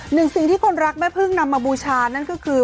หนึ่งสิ่งที่คนรักแม่พึ่งนำมาบูชานั่นก็คือ